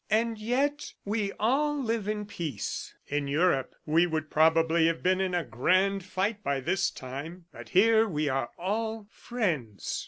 ... And yet we all live in peace. In Europe, we would have probably been in a grand fight by this time, but here we are all friends."